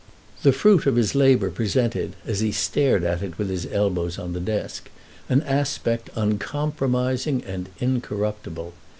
The fruit of his labour presented, as he stared at it with his elbows on his desk, an aspect uncompromising and incorruptible.